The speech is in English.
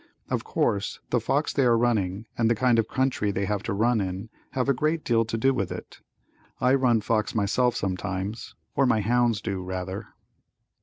Of course the fox they are running and the kind of country they have to run in, have a great deal to do with it. I run fox myself sometimes, or my hounds do rather.